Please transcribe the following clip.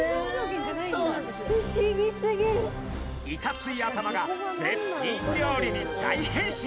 イカツイ頭が絶品料理に大変身！